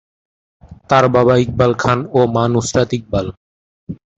তার বাবা ইকবাল খান ও মা নুসরাত ইকবাল।